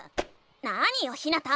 なによひなた！